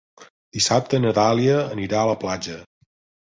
Dissabte na Dàlia anirà a la platja.